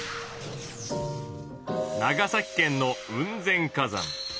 長崎県の雲仙火山。